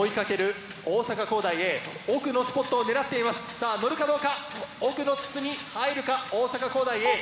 さあのるかどうか奥の筒に入るか大阪公大Ａ。